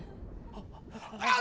あっ！